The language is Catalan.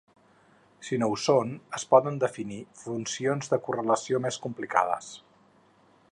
Si no ho són, es poden definir funcions de correlació més complicades.